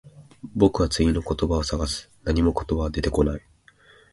僕は次の言葉を探す。何も言葉は出てこない。